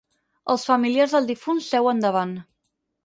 Els familiars del difunt seuen davant.